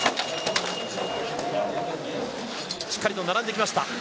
しっかりと並んできました。